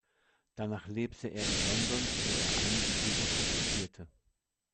Danach lebte er in London, wo er einige Bücher publizierte.